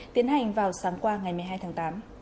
tiến hành vào sáng qua ngày một mươi hai tháng tám